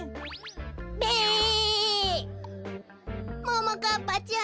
ももかっぱちゃん